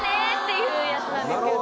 いうやつなんですけど。